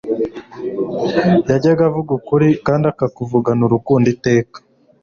Yajyagavugukuri kandakakuvuganurukunditeka